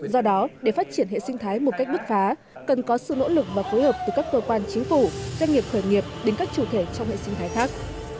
do đó để phát triển hệ sinh thái một cách bứt phá cần có sự nỗ lực và phối hợp từ các cơ quan chính phủ doanh nghiệp khởi nghiệp đến các chủ thể trong hệ sinh thái khác